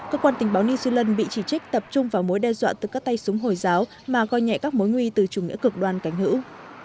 cơ quan tình báo new zealand bị chỉ trích tập trung vào mối đe dọa từ các tay súng hồi giáo mà coi nhẹ các mối nguy từ chủ nghĩa cực đoan cánh hữu